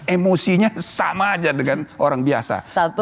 emosinya sama aja dengan orang biasa